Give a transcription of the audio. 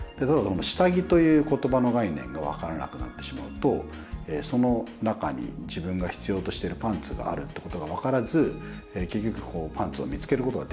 下着という言葉の概念が分からなくなってしまうとその中に自分が必要としてるパンツがあるってことが分からず結局パンツを見つけることができない。